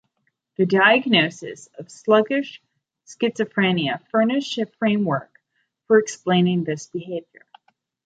The diagnosis of sluggish schizophrenia furnished a framework for explaining this behavior.